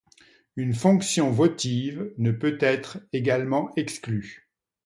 Une fonction votive ne peut être également exclue.